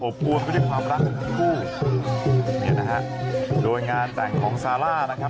อวนไปด้วยความรักของทั้งคู่เนี่ยนะฮะโดยงานแต่งของซาร่านะครับ